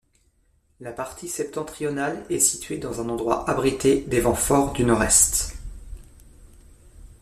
La partie septentrionale est situé dans un endroit abrité des vents forts du nord-est.